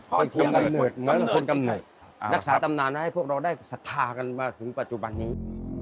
กำเนิดนักศาสตร์ตำนานนั้นให้พวกเราได้สัทธากันมาถึงปัจจุันนี้